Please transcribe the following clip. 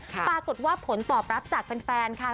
ปรากฏว่าผลตอบรับจากแฟนค่ะ